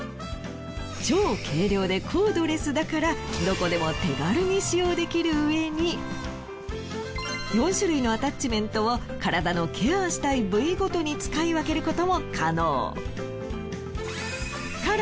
超軽量でコードレスだからどこでも手軽に使用できるうえに４種類のアタッチメントを体のケアしたい部位ごとに使い分けることも可能。